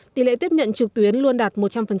tỷ lệ tiếp nhận trực tuyến luôn đạt một trăm linh